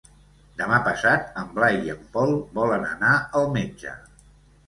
Demà passat en Blai i en Pol volen anar al metge.